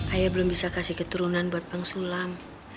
ayah belum bisa kasih keturunan buat bang sulam